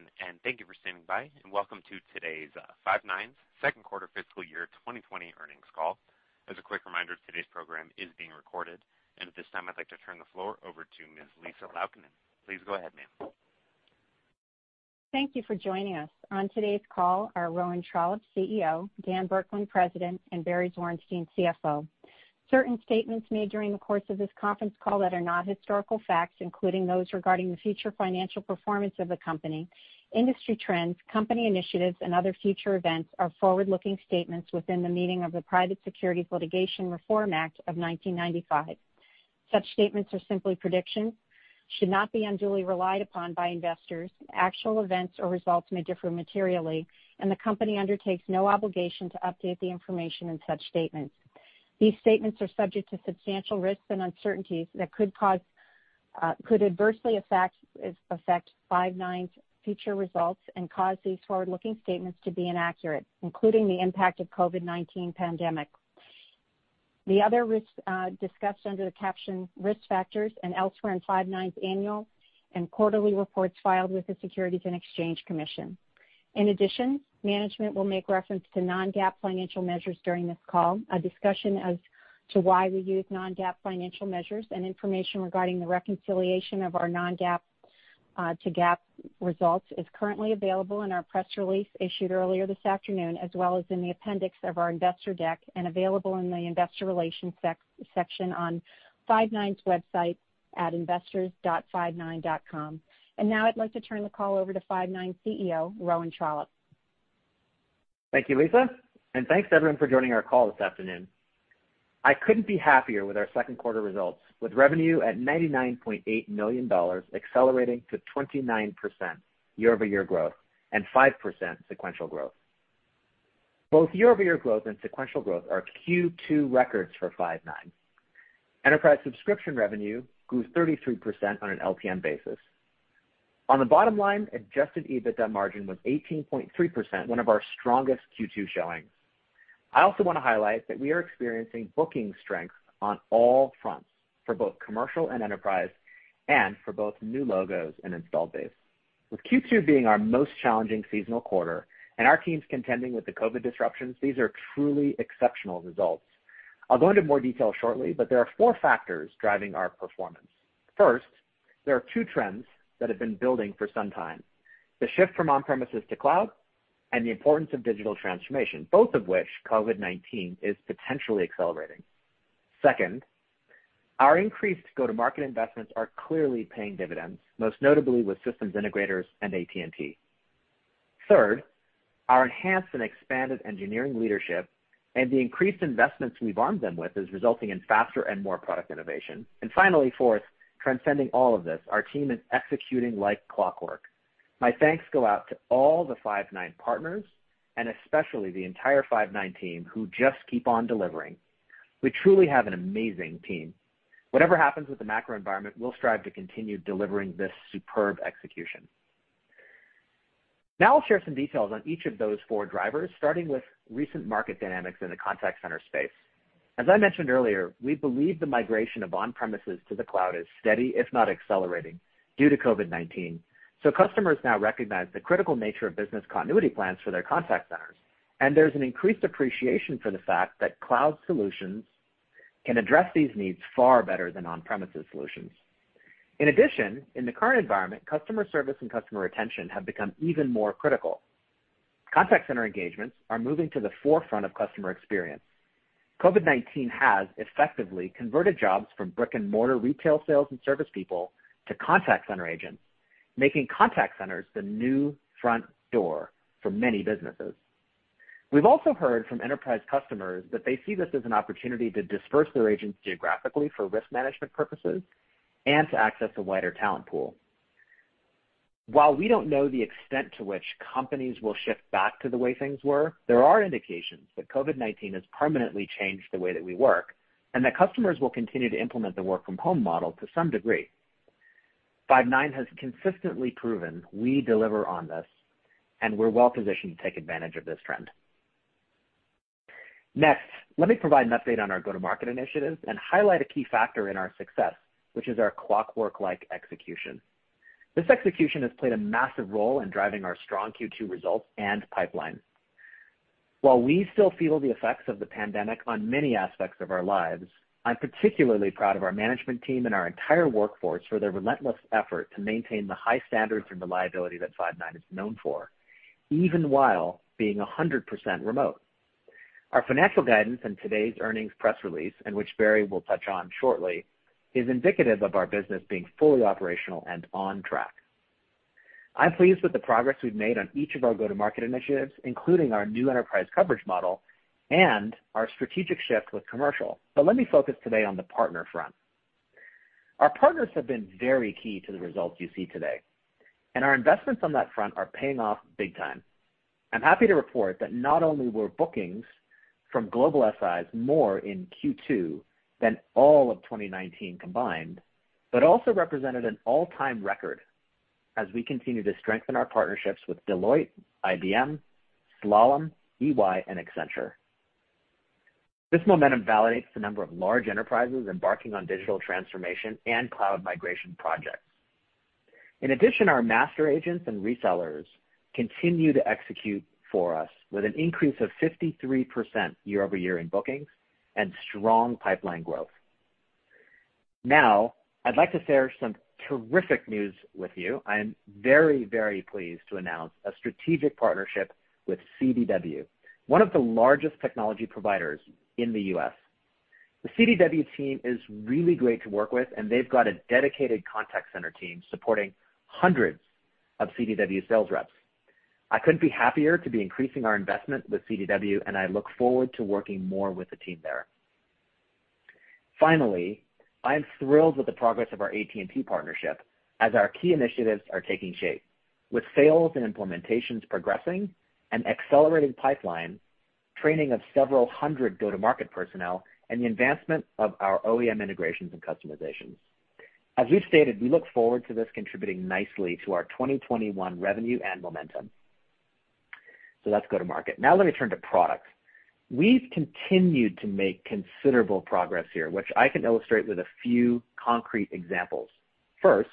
Good day, ladies and gentlemen, thank you for standing by, and welcome to today's Five9 Q2 FY 2020 Earnings Call. As a quick reminder, today's program is being recorded. At this time, I'd like to turn the floor over to Ms. Lisa Laukkanen. Please go ahead, ma'am. Thank you for joining us. On today's call are Rowan Trollope, CEO, Dan Burkland, President, and Barry Zwarenstein, CFO. Certain statements made during the course of this conference call that are not historical facts, including those regarding the future financial performance of the company, industry trends, company initiatives, and other future events, are forward-looking statements within the meaning of the Private Securities Litigation Reform Act of 1995. Such statements are simply predictions, should not be unduly relied upon by investors. Actual events or results may differ materially, and the company undertakes no obligation to update the information in such statements. These statements are subject to substantial risks and uncertainties that could adversely affect Five9's future results and cause these forward-looking statements to be inaccurate, including the impact of COVID-19 pandemic. The other risks discussed under the caption Risk Factors and elsewhere in Five9's annual and quarterly reports filed with the Securities and Exchange Commission. In addition, management will make reference to non-GAAP financial measures during this call. A discussion as to why we use non-GAAP financial measures and information regarding the reconciliation of our non-GAAP to GAAP results is currently available in our press release issued earlier this afternoon, as well as in the appendix of our investor deck and available in the investor relations section on Five9's website at investors.five9.com. Now I'd like to turn the call over to Five9 CEO, Rowan Trollope. Thank you, Lisa. Thanks everyone for joining our call this afternoon. I couldn't be happier with our Q2 results. With revenue at $99.8 million, accelerating to 29% year-over-year growth and 5% sequential growth. Both year-over-year growth and sequential growth are Q2 records for Five9. Enterprise subscription revenue grew 33% on an LTM basis. On the bottom line, adjusted EBITDA margin was 18.3%, one of our strongest Q2 showings. I also want to highlight that we are experiencing booking strength on all fronts, for both commercial and enterprise, and for both new logos and installed base. With Q2 being our most challenging seasonal quarter and our teams contending with the COVID-19 disruptions, these are truly exceptional results. I'll go into more detail shortly. There are four factors driving our performance. First, there are two trends that have been building for some time, the shift from on-premises to cloud and the importance of digital transformation, both of which COVID-19 is potentially accelerating. Second, our increased go-to-market investments are clearly paying dividends, most notably with systems integrators and AT&T. Third, our enhanced and expanded engineering leadership and the increased investments we've armed them with is resulting in faster and more product innovation. Finally, fourth, transcending all of this, our team is executing like clockwork. My thanks go out to all the Five9 partners, and especially the entire Five9 team, who just keep on delivering. We truly have an amazing team. Whatever happens with the macro environment, we'll strive to continue delivering this superb execution. Now I'll share some details on each of those four drivers, starting with recent market dynamics in the contact center space. As I mentioned earlier, we believe the migration of on-premises to the cloud is steady, if not accelerating due to COVID-19. Customers now recognize the critical nature of business continuity plans for their contact centers. There's an increased appreciation for the fact that cloud solutions can address these needs far better than on-premises solutions. In addition, in the current environment, customer service and customer retention have become even more critical. Contact center engagements are moving to the forefront of customer experience. COVID-19 has effectively converted jobs from brick-and-mortar retail sales and service people to contact center agents, making contact centers the new front door for many businesses. We've also heard from enterprise customers that they see this as an opportunity to disperse their agents geographically for risk management purposes and to access a wider talent pool. While we don't know the extent to which companies will shift back to the way things were, there are indications that COVID-19 has permanently changed the way that we work, and that customers will continue to implement the work-from-home model to some degree. Five9 has consistently proven we deliver on this, and we're well-positioned to take advantage of this trend. Next, let me provide an update on our go-to-market initiatives and highlight a key factor in our success, which is our clockwork-like execution. This execution has played a massive role in driving our strong Q2 results and pipeline. While we still feel the effects of the pandemic on many aspects of our lives, I'm particularly proud of our management team and our entire workforce for their relentless effort to maintain the high standards and reliability that Five9 is known for, even while being 100% remote. Our financial guidance in today's earnings press release, and which Barry will touch on shortly, is indicative of our business being fully operational and on track. I'm pleased with the progress we've made on each of our go-to-market initiatives, including our new enterprise coverage model and our strategic shift with commercial. Let me focus today on the partner front. Our partners have been very key to the results you see today, and our investments on that front are paying off big time. I'm happy to report that not only were bookings from global SIs more in Q2 than all of 2019 combined, but also represented an all-time record as we continue to strengthen our partnerships with Deloitte, IBM, Slalom, EY, and Accenture. This momentum validates the number of large enterprises embarking on digital transformation and cloud migration projects. In addition, our master agents and resellers continue to execute for us with an increase of 53% year-over-year in bookings and strong pipeline growth. I'd like to share some terrific news with you. I am very pleased to announce a strategic partnership with CDW, one of the largest technology providers in the U.S. The CDW team is really great to work with, they've got a dedicated contact center team supporting hundreds of CDW sales reps. I couldn't be happier to be increasing our investment with CDW, I look forward to working more with the team there. I am thrilled with the progress of our AT&T partnership as our key initiatives are taking shape with sales and implementations progressing, an accelerated pipeline, training of several hundred go-to-market personnel, and the advancement of our OEM integrations and customizations. As we've stated, we look forward to this contributing nicely to our 2021 revenue and momentum. Let's go to market. Now let me turn to products. We've continued to make considerable progress here, which I can illustrate with a few concrete examples. First,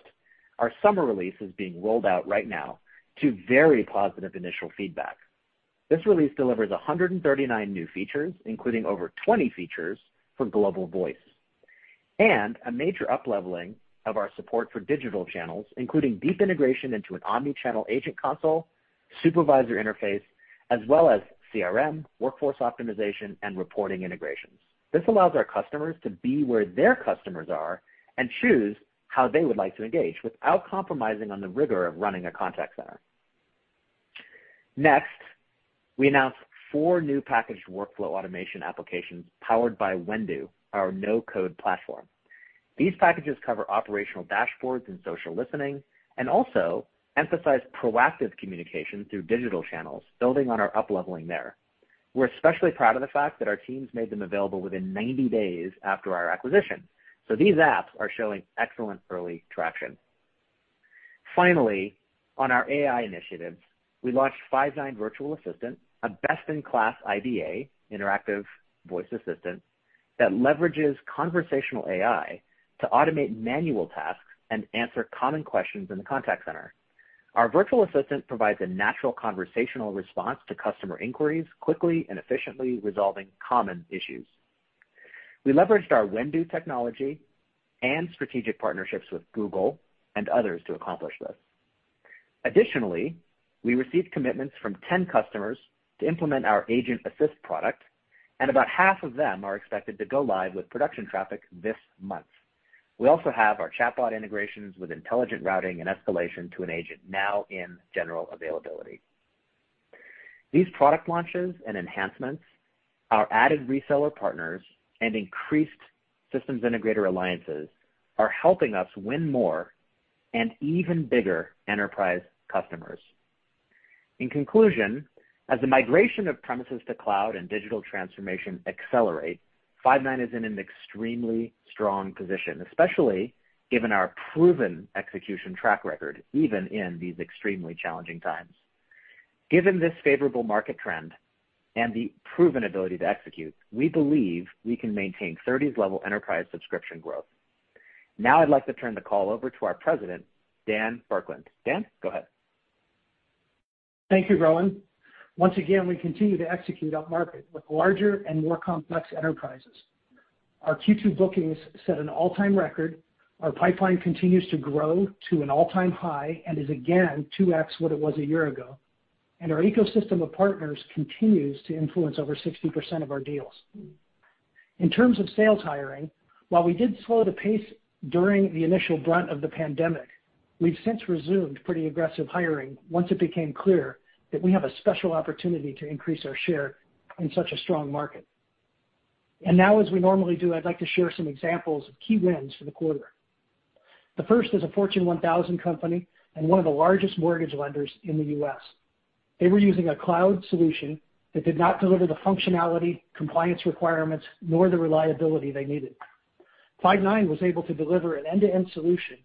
our summer release is being rolled out right now to very positive initial feedback. This release delivers 139 new features, including over 20 features for global voice. A major upleveling of our support for digital channels, including deep integration into an omni-channel agent console, supervisor interface, as well as CRM, workforce optimization, and reporting integrations. This allows our customers to be where their customers are and choose how they would like to engage without compromising on the rigor of running a contact center. Next, we announced four new packaged workflow automation applications powered by Whendu, our no-code platform. These packages cover operational dashboards and social listening, and also emphasize proactive communication through digital channels, building on our upleveling there. We're especially proud of the fact that our teams made them available within 90 days after our acquisition. These apps are showing excellent early traction. Finally, on our AI initiatives, we launched Five9 Virtual Assistant, a best-in-class IVA, interactive voice assistant, that leverages conversational AI to automate manual tasks and answer common questions in the contact center. Our virtual assistant provides a natural conversational response to customer inquiries quickly and efficiently resolving common issues. We leveraged our Whendu technology and strategic partnerships with Google and others to accomplish this. Additionally, we received commitments from 10 customers to implement our Agent Assist product, and about half of them are expected to go live with production traffic this month. We also have our chatbot integrations with intelligent routing and escalation to an agent now in general availability. These product launches and enhancements, our added reseller partners, and increased systems integrator alliances are helping us win more and even bigger enterprise customers. In conclusion, as the migration of premises to cloud and digital transformation accelerate, Five9 is in an extremely strong position, especially given our proven execution track record, even in these extremely challenging times. Given this favorable market trend and the proven ability to execute, we believe we can maintain 30s level enterprise subscription growth. I'd like to turn the call over to our president, Dan Burkland. Dan, go ahead. Thank you, Rowan. Once again, we continue to execute upmarket with larger and more complex enterprises. Our Q2 bookings set an all-time record. Our pipeline continues to grow to an all-time high and is again 2x what it was a year ago. Our ecosystem of partners continues to influence over 60% of our deals. In terms of sales hiring, while we did slow the pace during the initial brunt of the pandemic, we've since resumed pretty aggressive hiring once it became clear that we have a special opportunity to increase our share in such a strong market. Now, as we normally do, I'd like to share some examples of key wins for the quarter. The first is a Fortune 1000 company and one of the largest mortgage lenders in the U.S. They were using a cloud solution that did not deliver the functionality, compliance requirements, nor the reliability they needed. Five9 was able to deliver an end-to-end solution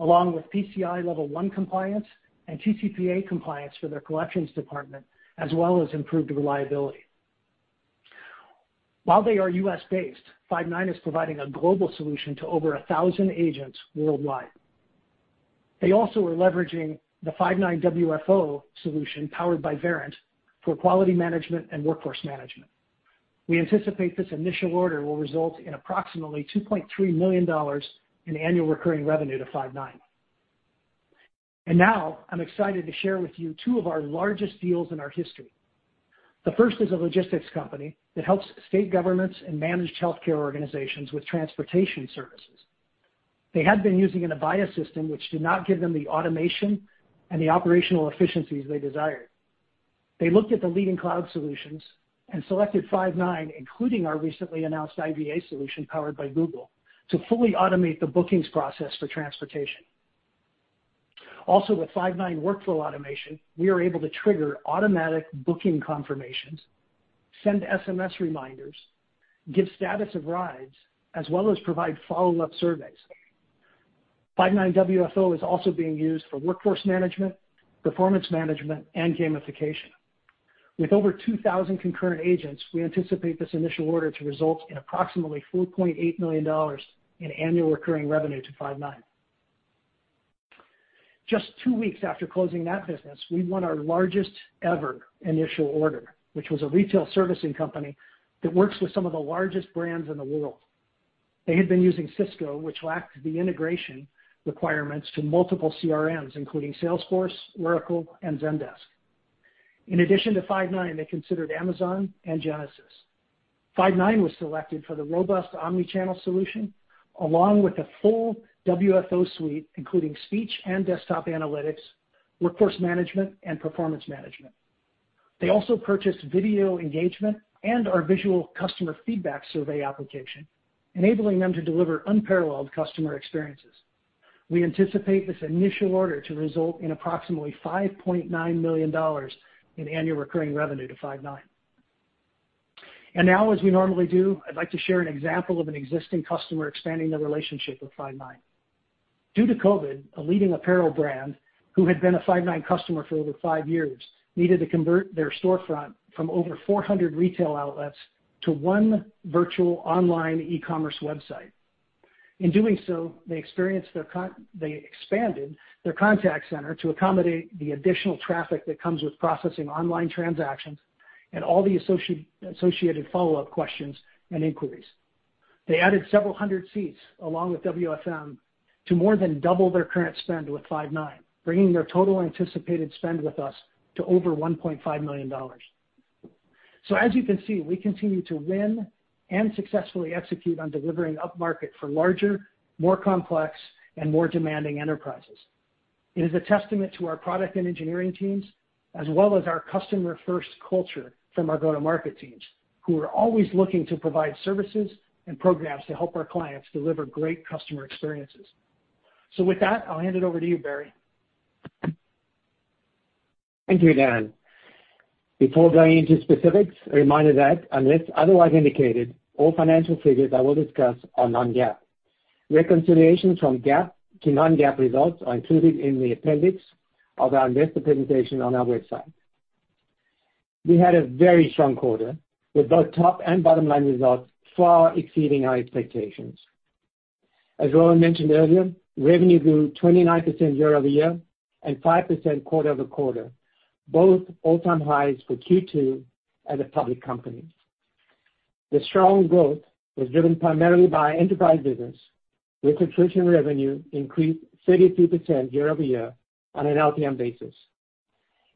along with PCI Level one compliance and TCPA compliance for their collections department, as well as improved reliability. While they are U.S.-based, Five9 is providing a global solution to over 1,000 agents worldwide. They also are leveraging the Five9 WFO solution powered by Verint for quality management and workforce management. We anticipate this initial order will result in approximately $2.3 million in annual recurring revenue to Five9. Now I'm excited to share with you two of our largest deals in our history. The first is a logistics company that helps state governments and managed healthcare organizations with transportation services. They had been using an Avaya system, which did not give them the automation and the operational efficiencies they desired. They looked at the leading cloud solutions and selected Five9, including our recently announced IVA solution powered by Google, to fully automate the bookings process for transportation. Also, with Five9 workflow automation, we are able to trigger automatic booking confirmations, send SMS reminders, give status of rides, as well as provide follow-up surveys. Five9 WFO is also being used for workforce management, performance management, and gamification. With over 2,000 concurrent agents, we anticipate this initial order to result in approximately $4.8 million in annual recurring revenue to Five9. Just two weeks after closing that business, we won our largest ever initial order, which was a retail servicing company that works with some of the largest brands in the world. They had been using Cisco, which lacked the integration requirements to multiple CRMs, including Salesforce, Oracle, and Zendesk. In addition to Five9, they considered Amazon and Genesys. Five9 was selected for the robust omni-channel solution, along with the full WFO suite, including speech and desktop analytics, workforce management, and performance management. They also purchased video engagement and our visual customer feedback survey application, enabling them to deliver unparalleled customer experiences. We anticipate this initial order to result in approximately $5.9 million in annual recurring revenue to Five9. Now, as we normally do, I'd like to share an example of an existing customer expanding their relationship with Five9. Due to COVID, a leading apparel brand, who had been a Five9 customer for over five years, needed to convert their storefront from over 400 retail outlets to one virtual online e-commerce website. In doing so, they expanded their contact center to accommodate the additional traffic that comes with processing online transactions and all the associated follow-up questions and inquiries. They added several hundred seats, along with WFM, to more than double their current spend with Five9, bringing their total anticipated spend with us to over $1.5 million. As you can see, we continue to win and successfully execute on delivering upmarket for larger, more complex, and more demanding enterprises. It is a testament to our product and engineering teams, as well as our customer-first culture from our go-to-market teams, who are always looking to provide services and programs to help our clients deliver great customer experiences. With that, I'll hand it over to you, Barry. Thank you, Dan. Before going into specifics, a reminder that unless otherwise indicated, all financial figures I will discuss are non-GAAP. Reconciliation from GAAP to non-GAAP results are included in the appendix of our investor presentation on our website. We had a very strong quarter, with both top and bottom-line results far exceeding our expectations. As Rowan mentioned earlier, revenue grew 29% year-over-year and 5% quarter-over-quarter, both all-time highs for Q2 as a public company. The strong growth was driven primarily by enterprise business, with subscription revenue increased 32% year-over-year on an LTM basis.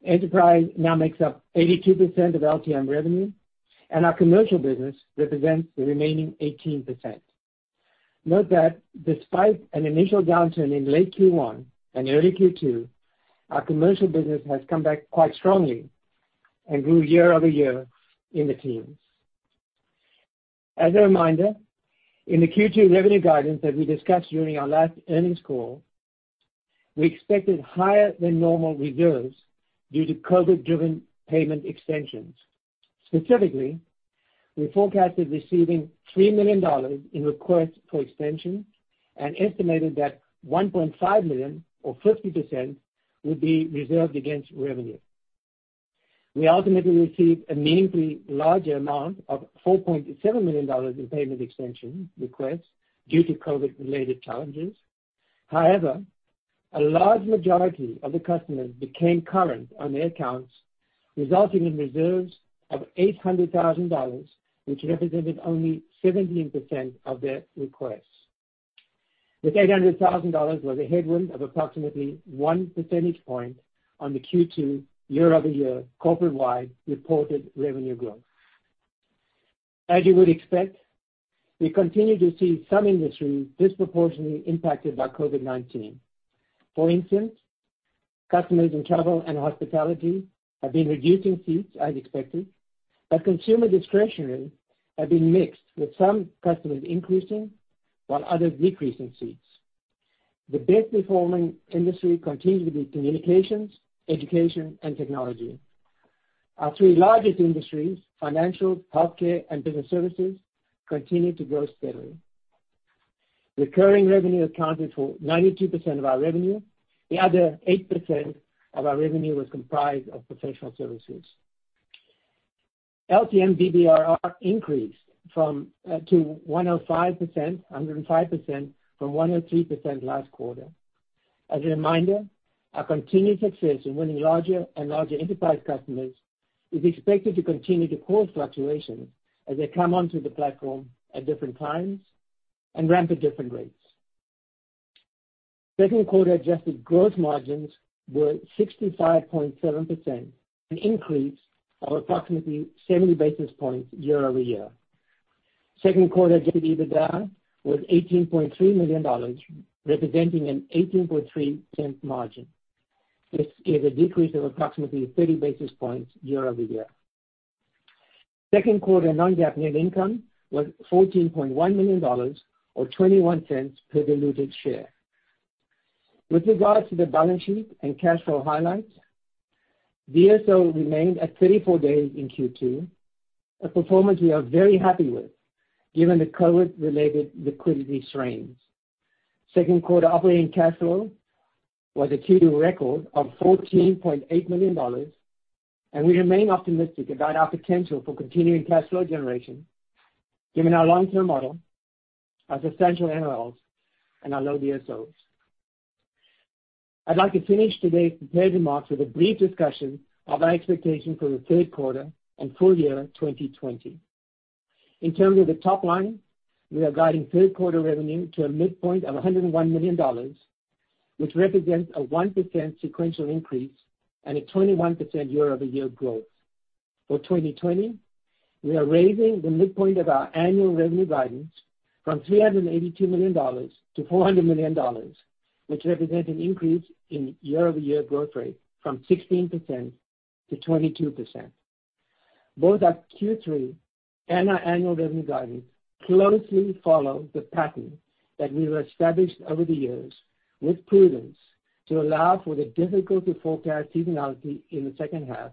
Enterprise now makes up 82% of LTM revenue, and our commercial business represents the remaining 18%. Note that despite an initial downturn in late Q1 and early Q2, our commercial business has come back quite strongly and grew year-over-year in the teens. As a reminder, in the Q2 revenue guidance that we discussed during our last earnings call, we expected higher than normal reserves due to COVID-19-driven payment extensions. Specifically, we forecasted receiving $3 million in requests for extensions and estimated that $1.5 million, or 50%, would be reserved against revenue. We ultimately received a meaningfully larger amount of $4.7 million in payment extension requests due to COVID-19-related challenges. However, a large majority of the customers became current on their accounts, resulting in reserves of $800,000, which represented only 17% of their requests. This $800,000 was a headwind of approximately one percentage point on the Q2 year-over-year corporate-wide reported revenue growth. As you would expect, we continue to see some industries disproportionately impacted by COVID-19. For instance, customers in travel and hospitality have been reducing seats as expected, but consumer discretionary have been mixed, with some customers increasing while others decreasing seats. The best-performing industry continues to be communications, education, and technology. Our three largest industries, financial, healthcare, and business services, continue to grow steadily. Recurring revenue accounted for 92% of our revenue. The other 8% of our revenue was comprised of professional services. LTM DBNRR increased to 105% from 103% last quarter. As a reminder, our continued success in winning larger and larger enterprise customers is expected to continue to cause fluctuations as they come onto the platform at different times and ramp at different rates. Second quarter adjusted gross margins were 65.7%, an increase of approximately 70 basis points year-over-year. Second quarter adjusted EBITDA was $18.3 million, representing an $0.183 margin. This is a decrease of approximately 30 basis points year-over-year. Second quarter non-GAAP net income was $14.1 million or $0.21 per diluted share. With regards to the balance sheet and cash flow highlights, DSO remained at 34 days in Q2, a performance we are very happy with given the COVID-related liquidity strains. Second quarter operating cash flow was a Q2 record of $14.8 million. We remain optimistic about our potential for continuing cash flow generation given our long-term model of essential NRLs and our low DSOs. I'd like to finish today's prepared remarks with a brief discussion of our expectation for the third quarter and full year 2020. In terms of the top line, we are guiding third quarter revenue to a midpoint of $101 million, which represents a 1% sequential increase and a 21% year-over-year growth. For 2020, we are raising the midpoint of our annual revenue guidance from $382 million to $400 million, which represents an increase in year-over-year growth rate from 16% to 22%. Both our Q3 and our annual revenue guidance closely follow the pattern that we have established over the years with prudence to allow for the difficult to forecast seasonality in the second half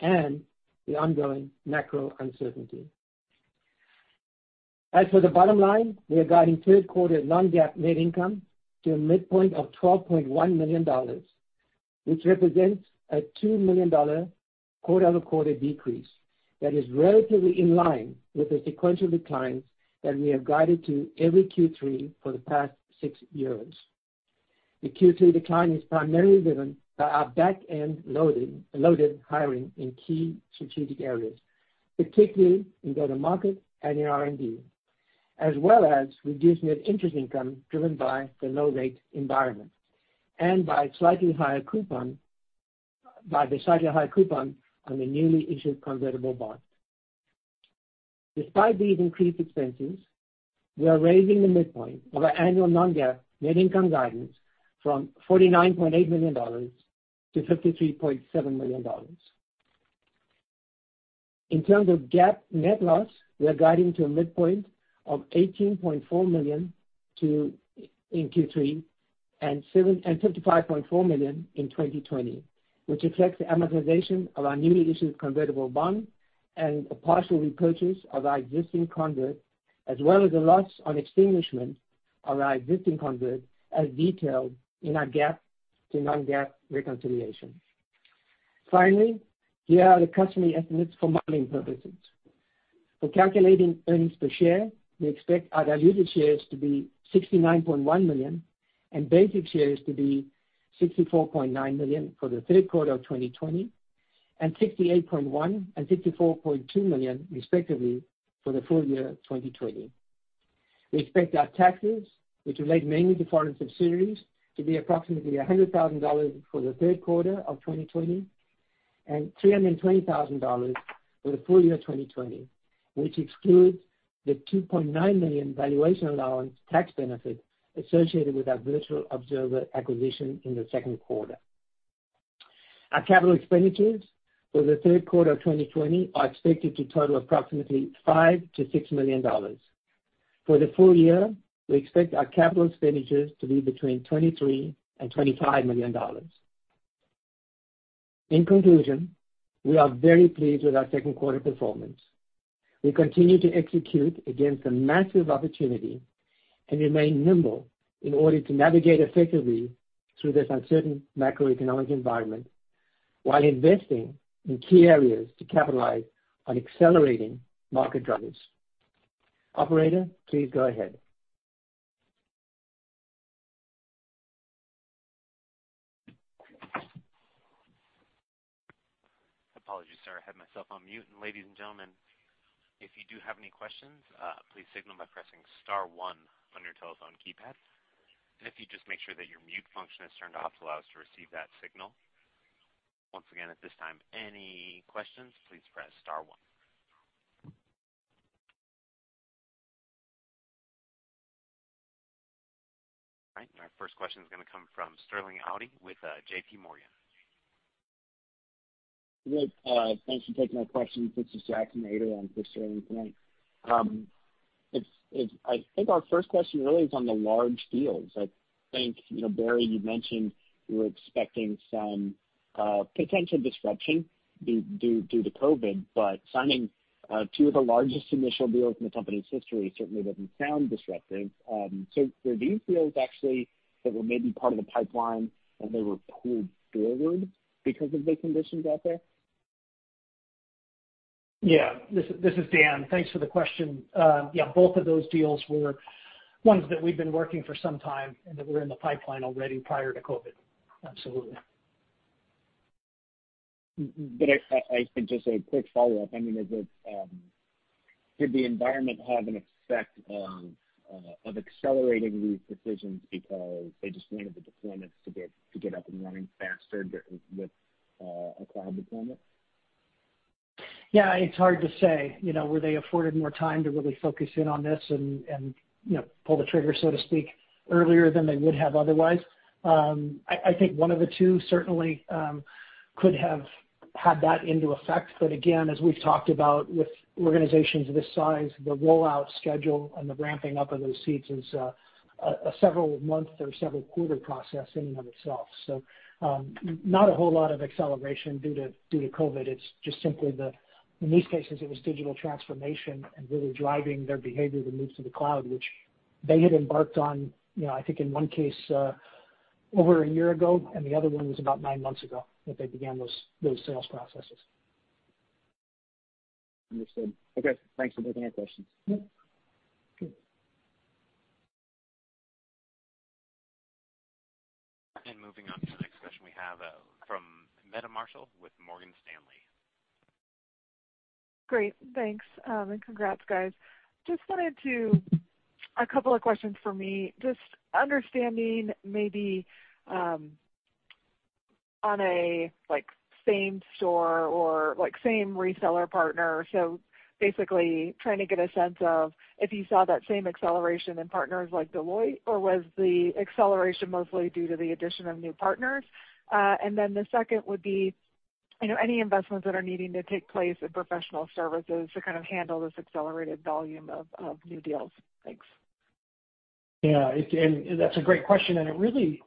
and the ongoing macro uncertainty. As for the bottom line, we are guiding third quarter non-GAAP net income to a midpoint of $12.1 million, which represents a $2 million quarter-over-quarter decrease that is relatively in line with the sequential declines that we have guided to every Q3 for the past six years. The Q2 decline is primarily driven by our back-end loaded hiring in key strategic areas, particularly in go-to-market and in R&D, as well as reduced net interest income driven by the low rate environment and by the slightly higher coupon on the newly issued convertible bond. Despite these increased expenses, we are raising the midpoint of our annual non-GAAP net income guidance from $49.8 million to $53.7 million. In terms of GAAP net loss, we are guiding to a midpoint of $18.4 million in Q3 and $55.4 million in 2020, which reflects the amortization of our newly issued convertible bond and a partial repurchase of our existing convert, as well as the loss on extinguishment of our existing convert, as detailed in our GAAP to non-GAAP reconciliation. Finally, here are the customary estimates for modeling purposes. For calculating earnings per share, we expect our diluted shares to be 69.1 million and basic shares to be 64.9 million for the third quarter of 2020 and 68.1 million and 54.2 million, respectively, for the full year 2020. We expect our taxes, which relate mainly to foreign subsidiaries, to be approximately $100,000 for the third quarter of 2020 and $320,000 for the full year 2020, which excludes the $2.9 million valuation allowance tax benefit associated with our Virtual Observer acquisition in the Q2. Our capital expenditures for the third quarter of 2020 are expected to total approximately $5 million-$6 million. For the full year, we expect our capital expenditures to be between $23 million and $25 million. In conclusion, we are very pleased with our Q2 performance. We continue to execute against a massive opportunity and remain nimble in order to navigate effectively through this uncertain macroeconomic environment while investing in key areas to capitalize on accelerating market drivers. Operator, please go ahead. Apologies, sir. I had myself on mute. Ladies and gentlemen, if you do have any questions, please signal by pressing star one on your telephone keypad. If you just make sure that your mute function is turned off to allow us to receive that signal. Once again, at this time, any questions, please press star one. Our first question is going to come from Sterling Auty with JPMorgan. Good. Thanks for taking my question. This is Jackson Ader on for Sterling tonight. I think our first question really is on the large deals. I think, Barry, you mentioned you were expecting some potential disruption due to COVID-19, signing two of the largest initial deals in the company's history certainly doesn't sound disruptive. Were these deals actually that were maybe part of the pipeline and they were pulled forward because of the conditions out there? Yeah. This is Dan. Thanks for the question. Yeah, both of those deals were ones that we've been working for some time and that were in the pipeline already prior to COVID. Absolutely. I think just a quick follow-up. Did the environment have an effect of accelerating these decisions because they just wanted the deployments to get up and running faster with a cloud deployment? Yeah, it's hard to say. Were they afforded more time to really focus in on this and pull the trigger, so to speak, earlier than they would have otherwise? I think one of the two certainly could have had that into effect. Again, as we've talked about with organizations of this size, the rollout schedule and the ramping up of those seats is a several month or several quarter process in and of itself. Not a whole lot of acceleration due to COVID. It's just simply, in these cases, it was digital transformation and really driving their behavior to move to the cloud, which they had embarked on, I think in one case over a year ago, and the other one was about nine months ago that they began those sales processes. Understood. Okay, thanks for taking our questions. Yes. Okay. Moving on to the next question we have from Meta Marshall with Morgan Stanley. Great. Thanks. Congrats, guys. A couple of questions from me, just understanding maybe on a same store or same reseller partner. Basically trying to get a sense of if you saw that same acceleration in partners like Deloitte, or was the acceleration mostly due to the addition of new partners? The second would be, any investments that are needing to take place in professional services to kind of handle this accelerated volume of new deals. Thanks. Yeah. That's a great question, and it really,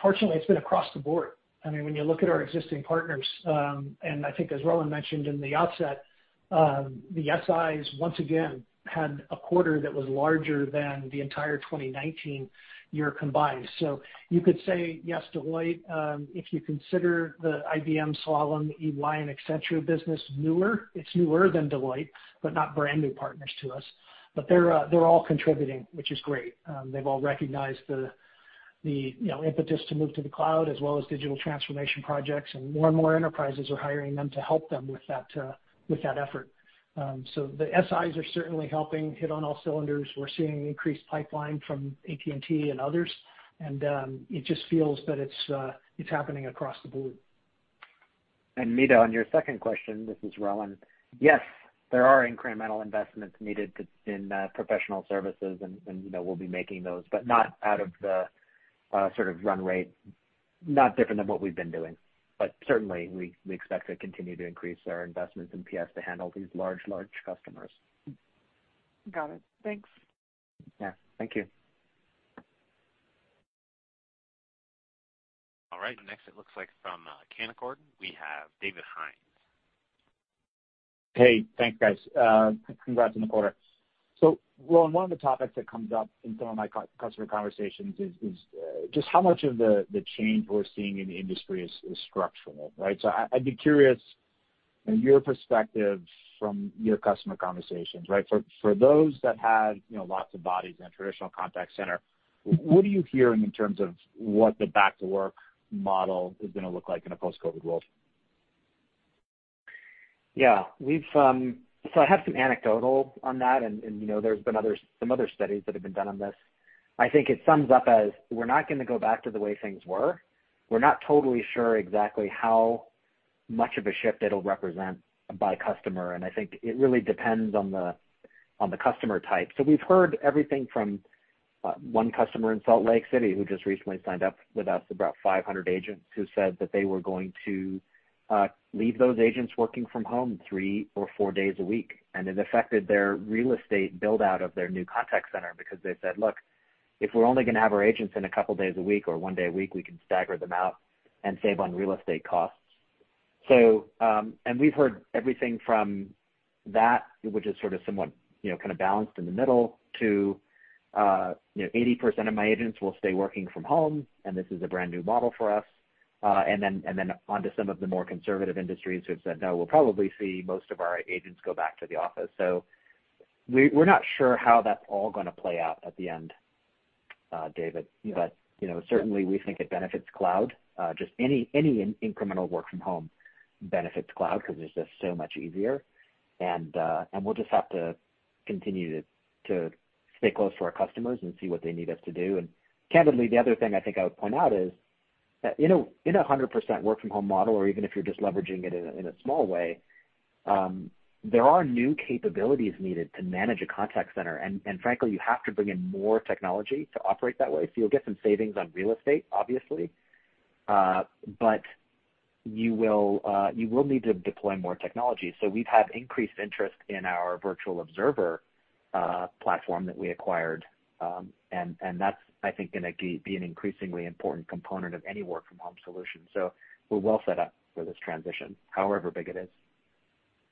fortunately, it's been across the board. When you look at our existing partners, and I think as Rowan mentioned in the outset, the SIs once again had a quarter that was larger than the entire 2019 year combined. You could say, yes, Deloitte, if you consider the IBM, Slalom, EY, and Accenture business newer, it's newer than Deloitte, but not brand-new partners to us. They're all contributing, which is great. They've all recognized the impetus to move to the cloud as well as digital transformation projects, and more and more enterprises are hiring them to help them with that effort. The SIs are certainly helping hit on all cylinders. We're seeing increased pipeline from AT&T and others, and it just feels that it's happening across the board. Meta, on your second question, this is Rowan. Yes, there are incremental investments needed in professional services, and we'll be making those, but not out of the sort of run rate. Not different than what we've been doing. Certainly, we expect to continue to increase our investments in PS to handle these large customers. Got it. Thanks. Yeah. Thank you. All right. Next, it looks like from Canaccord, we have David Hynes. Hey, thanks, guys. Congrats on the quarter. Rowan, one of the topics that comes up in some of my customer conversations is just how much of the change we're seeing in the industry is structural, right? I'd be curious your perspective from your customer conversations, right? For those that had lots of bodies in a traditional contact center, what are you hearing in terms of what the back to work model is going to look like in a post-COVID-19 world? Yeah. I have some anecdotal on that. There's been some other studies that have been done on this. I think it sums up as we're not going to go back to the way things were. We're not totally sure exactly how much of a shift it'll represent by customer. I think it really depends on the customer type. We've heard everything from one customer in Salt Lake City who just recently signed up with us, about 500 agents, who said that they were going to leave those agents working from home three or four days a week, and it affected their real estate build-out of their new contact center because they said, "Look, if we're only going to have our agents in a couple of days a week or one day a week, we can stagger them out and save on real estate costs." We've heard everything from that, which is sort of somewhat balanced in the middle to 80% of my agents will stay working from home, and this is a brand-new model for us. Then onto some of the more conservative industries who have said, "No, we'll probably see most of our agents go back to the office." We're not sure how that's all going to play out at the end, David. Certainly, we think it benefits cloud. Just any incremental work from home benefits cloud because it's just so much easier. We'll just have to continue to stay close to our customers and see what they need us to do. Candidly, the other thing I think I would point out is that in 100% work from home model, or even if you're just leveraging it in a small way, there are new capabilities needed to manage a contact center. Frankly, you have to bring in more technology to operate that way. You'll get some savings on real estate, obviously, but you will need to deploy more technology. We've had increased interest in our Virtual Observer platform that we acquired, and that's, I think, going to be an increasingly important component of any work from home solution. We're well set up for this transition, however big it is.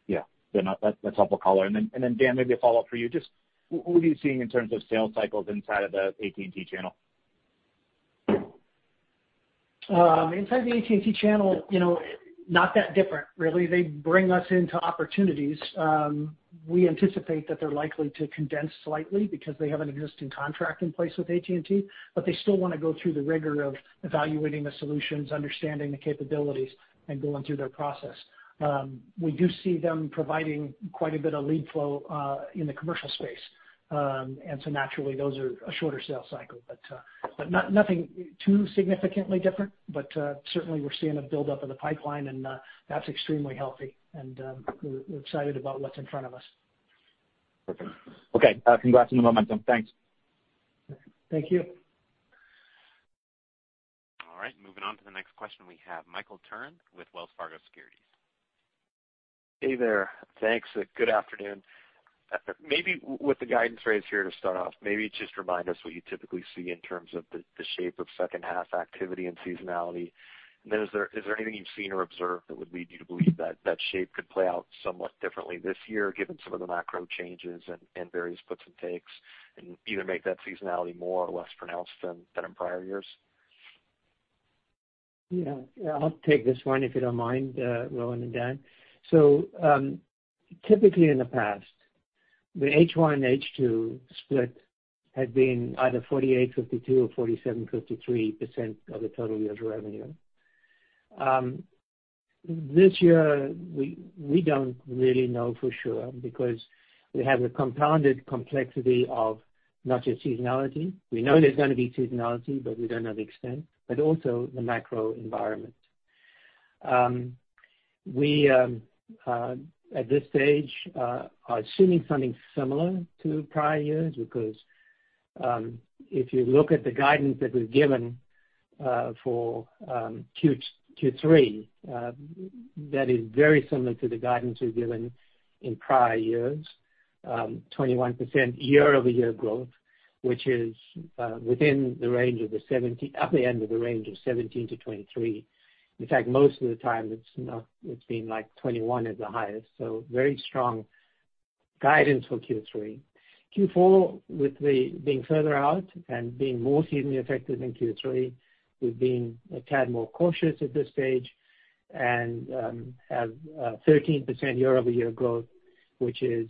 Yeah. That's helpful color. Dan, maybe a follow-up for you. Just what are you seeing in terms of sales cycles inside of the AT&T channel? Inside the AT&T channel, not that different, really. They bring us into opportunities. We anticipate that they're likely to condense slightly because they have an existing contract in place with AT&T, but they still want to go through the rigor of evaluating the solutions, understanding the capabilities, and going through their process. We do see them providing quite a bit of lead flow in the commercial space. Naturally, those are a shorter sales cycle. Nothing too significantly different, but certainly we're seeing a buildup in the pipeline, and that's extremely healthy, and we're excited about what's in front of us. Perfect. Okay. Congrats on the momentum. Thanks. Thank you. All right. Moving on to the next question we have Michael Turrin with Wells Fargo Securities. Hey there. Thanks. Good afternoon. Maybe with the guidance raise here to start off, maybe just remind us what you typically see in terms of the shape of second half activity and seasonality? Is there anything you've seen or observed that would lead you to believe that shape could play out somewhat differently this year, given some of the macro changes and various puts and takes, and either make that seasonality more or less pronounced than in prior years? Yeah. I'll take this one if you don't mind, Rowan and Dan. Typically in the past, the H1, H2 split had been either 48/52 or 47/53% of the total year's revenue. This year, we don't really know for sure because we have a compounded complexity of not just seasonality, we know there's going to be seasonality, but we don't know the extent, but also the macro environment. We, at this stage, are assuming something similar to prior years because, if you look at the guidance that we've given for Q3, that is very similar to the guidance we've given in prior years. 21% year-over-year growth, which is within the range of the 17 at the end of the range of 17%-23%. In fact, most of the time it's been like 21 at the highest. So very strong guidance for Q3. Q4 with being further out and being more seasonally effective than Q3, we've been a tad more cautious at this stage and have 13% year-over-year growth, which is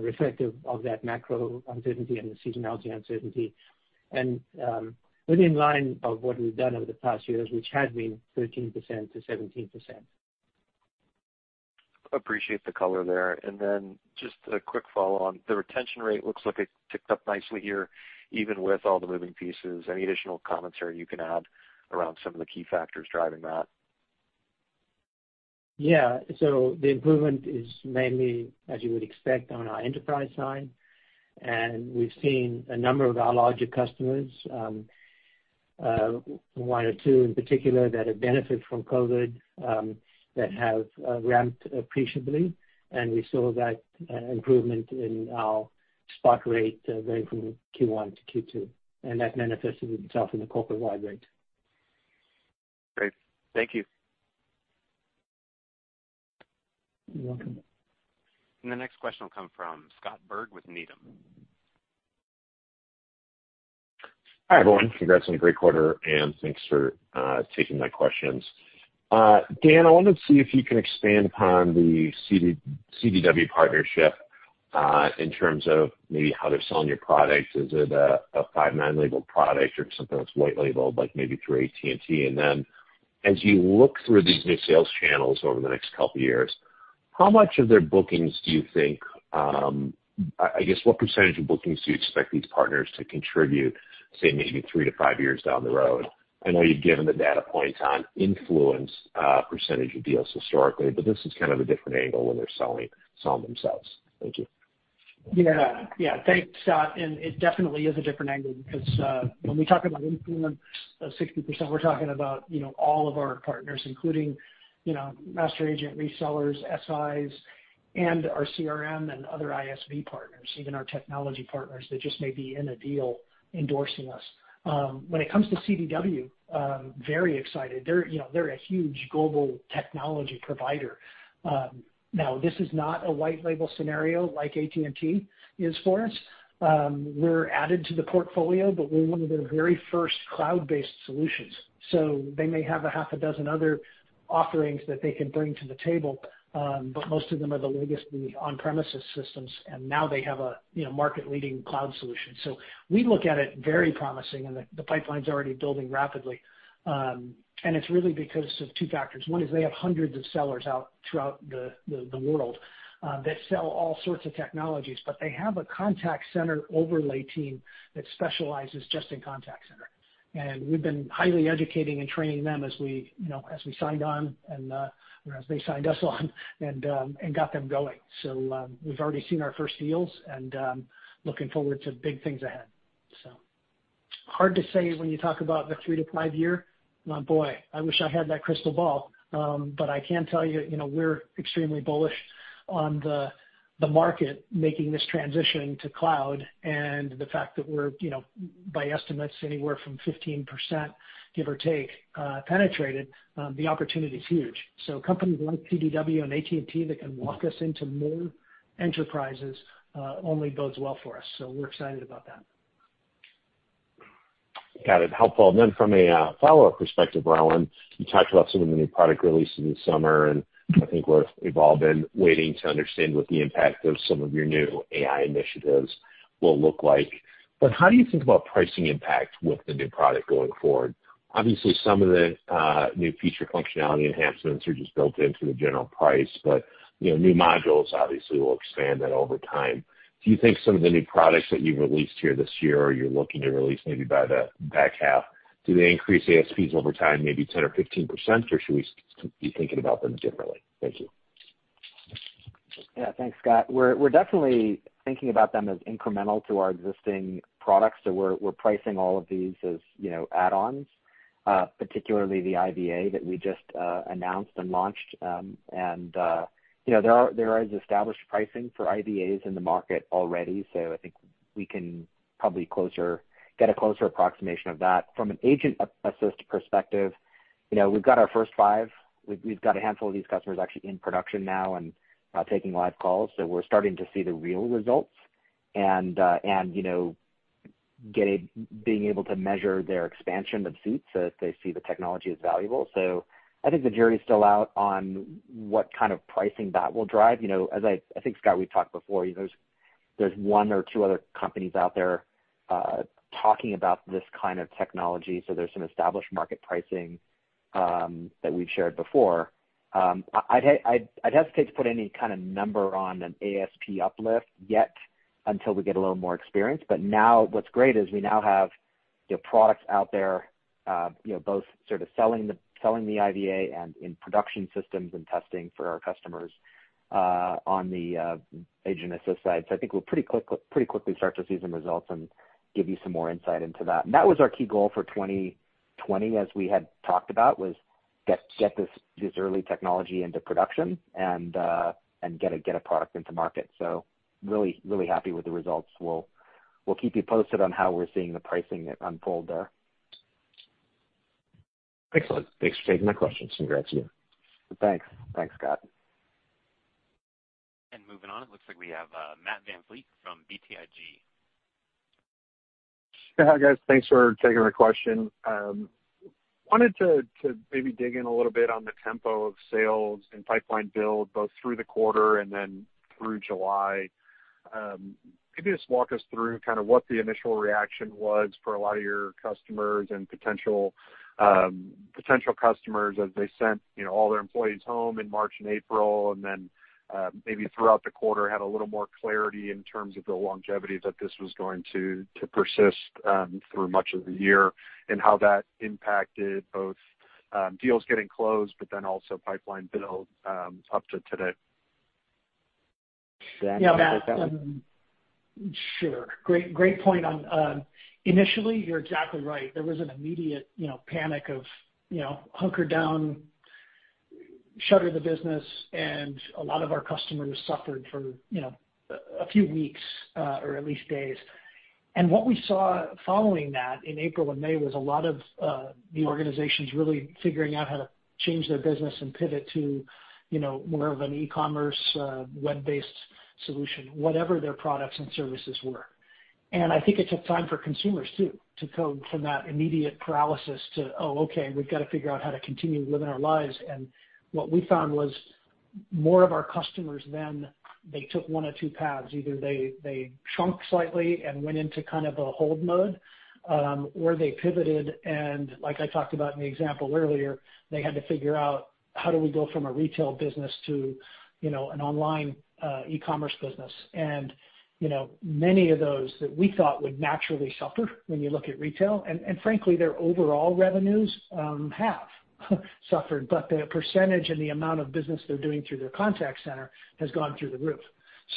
reflective of that macro uncertainty and the seasonality uncertainty. Within line of what we've done over the past years, which had been 13%-17%. Appreciate the color there. Just a quick follow-on. The retention rate looks like it ticked up nicely here, even with all the moving pieces. Any additional commentary you can add around some of the key factors driving that? Yeah. The improvement is mainly, as you would expect, on our enterprise side. We've seen a number of our larger customers, one or two in particular that have benefited from COVID, that have ramped appreciably. We saw that improvement in our spot rate going from Q1 to Q2, and that manifested itself in the corporate-wide rate. Great. Thank you. You're welcome. The next question will come from Scott Berg with Needham. Hi, everyone. Congrats on a great quarter, and thanks for taking my questions. Dan, I wanted to see if you can expand upon the CDW partnership, in terms of maybe how they're selling your products. Is it a Five9 labeled product or something that's white labeled, like maybe through AT&T? As you look through these new sales channels over the next couple of years, what % of bookings do you expect these partners to contribute, say, maybe three to five years down the road? I know you've given the data points on influence, % of deals historically, this is kind of a different angle when they're selling themselves. Thank you. Yeah. Thanks, Scott. It definitely is a different angle because, when we talk about influence of 60%, we're talking about all of our partners, including master agent resellers, SIs, and our CRM and other ISV partners, even our technology partners that just may be in a deal endorsing us. When it comes to CDW, very excited. They're a huge global technology provider. This is not a white label scenario like AT&T is for us. We're added to the portfolio, we're one of their very first cloud-based solutions. They may have a half a dozen other offerings that they can bring to the table. Most of them are the legacy on-premises systems, now they have a market-leading cloud solution. We look at it very promising, the pipeline's already building rapidly. It's really because of two factors. One is they have hundreds of sellers out throughout the world that sell all sorts of technologies, but they have a contact center overlay team that specializes just in contact center. We've been highly educating and training them as we signed on, or as they signed us on and got them going. We've already seen our first deals and looking forward to big things ahead. Hard to say when you talk about the three to five year. My boy, I wish I had that crystal ball. I can tell you, we're extremely bullish on the market making this transition to cloud and the fact that we're, by estimates, anywhere from 15%, give or take, penetrated, the opportunity is huge. Companies like CDW and AT&T that can walk us into more enterprises, only bodes well for us. We're excited about that. Got it. Helpful. From a follow-up perspective, Rowan, you talked about some of the new product releases this summer, and I think we've all been waiting to understand what the impact of some of your new AI initiatives will look like. How do you think about pricing impact with the new product going forward? Obviously, some of the new feature functionality enhancements are just built into the general price, but new modules obviously will expand that over time. Do you think some of the new products that you've released here this year or you're looking to release maybe by the back half, do they increase ASPs over time, maybe 10% or 15%? Should we be thinking about them differently? Thank you. Thanks, Scott. We're definitely thinking about them as incremental to our existing products. We're pricing all of these as add-ons, particularly the IVA that we just announced and launched. There is established pricing for IVAs in the market already. I think we can probably get a closer approximation of that. From an Agent Assist perspective, we've got our first five. We've got a handful of these customers actually in production now and taking live calls. We're starting to see the real results. You know, being able to measure their expansion of seats as they see the technology as valuable. I think the jury's still out on what kind of pricing that will drive. I think, Scott, we've talked before, there's one or two other companies out there talking about this kind of technology, there's some established market pricing that we've shared before. I'd hesitate to put any kind of number on an ASP uplift yet until we get a little more experience. Now what's great is we now have products out there both sort of selling the IVA and in production systems and testing for our customers on the agentless side. I think we'll pretty quickly start to see some results and give you some more insight into that. That was our key goal for 2020, as we had talked about, was get this early technology into production, and get a product into market. Really happy with the results. We'll keep you posted on how we're seeing the pricing unfold there. Excellent. Thanks for taking my questions. Congrats to you. Thanks. Thanks, Scott. Moving on, it looks like we have Matt VanVliet from BTIG. Hi, guys. Thanks for taking the question. Wanted to maybe dig in a little bit on the tempo of sales and pipeline build, both through the quarter and then through July. Maybe just walk us through what the initial reaction was for a lot of your customers and potential customers as they sent all their employees home in March and April, and then maybe throughout the quarter had a little more clarity in terms of the longevity that this was going to persist through much of the year, and how that impacted both deals getting closed, but then also pipeline build up to today? Dan, do you want to take that one? Yeah, Matt. Sure. Great point. Initially, you're exactly right. There was an immediate panic of hunker down, shutter the business, and a lot of our customers suffered for a few weeks, or at least days. What we saw following that in April and May was a lot of the organizations really figuring out how to change their business and pivot to more of an e-commerce, web-based solution, whatever their products and services were. I think it took time for consumers, too, to go from that immediate paralysis to, "Oh, okay, we've got to figure out how to continue living our lives." What we found was more of our customers then, they took one of two paths. Either they shrunk slightly and went into a hold mode, or they pivoted and, like I talked about in the example earlier, they had to figure out, how do we go from a retail business to an online e-commerce business? Many of those that we thought would naturally suffer when you look at retail, and frankly, their overall revenues have suffered, but the percentage and the amount of business they're doing through their contact center has gone through the roof.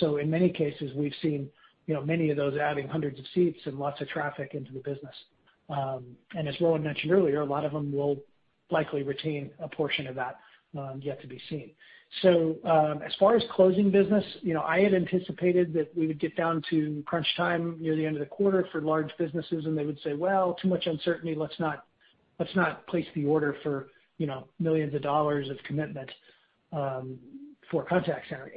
In many cases, we've seen many of those adding hundreds of seats and lots of traffic into the business. As Rowan mentioned earlier, a lot of them will likely retain a portion of that, yet to be seen. As far as closing business, I had anticipated that we would get down to crunch time near the end of the quarter for large businesses, and they would say, "Well, too much uncertainty. Let's not place the order for millions of dollars of commitment for a contact center."